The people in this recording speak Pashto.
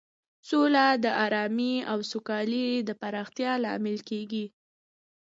سوله د ارامۍ او سوکالۍ د پراختیا لامل کیږي.